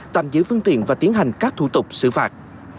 tạm giữ phương tiện và tiến hành các thủ tục xử phạt